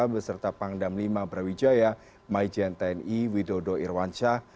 beserta panglima berwijaya maijen tni widodo irwansyah